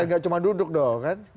nggak cuma duduk dong kan